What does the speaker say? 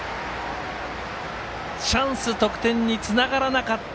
チャンス得点につながらなかった